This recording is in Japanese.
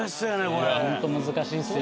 これいやホント難しいんすよ